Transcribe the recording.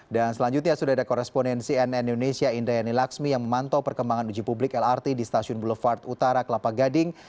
dan selanjutnya sudah ada koresponensi nn indonesia indayani laksmi yang memantau perkembangan uji publik lrt di stasiun boulevard utara kelapa gading